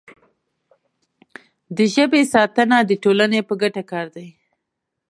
د ژبې ساتنه د ټولنې په ګټه کار دی.